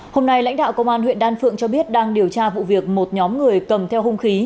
hôm nay lãnh đạo công an huyện đan phượng cho biết đang điều tra vụ việc một nhóm người cầm theo hung khí